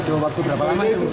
itu waktu berapa lama ibu